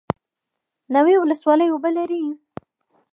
ناوې ولسوالۍ اوبه لري؟